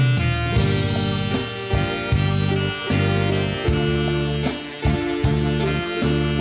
สวัสดีครับ